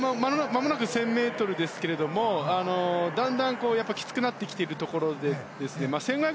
まもなく１０００ｍですけどもだんだんきつくなってきているところでして。